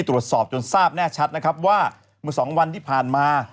ตรวจสอบจนทราบแน่ชัดนะครับว่าเมื่อ๒วันที่ผ่านมา